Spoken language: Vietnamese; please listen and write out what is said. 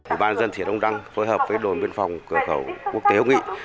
ủy ban dân thiên âu đăng phối hợp với đồn biên phòng cơ khẩu quốc tế úc nghị